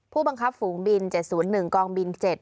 ผู้บังคับฝูงบิน๗๐๑กองบิน๗